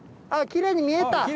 きれいに見えた。